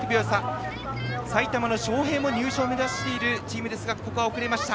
埼玉の昌平も入賞を目指しているチームですがここは遅れました。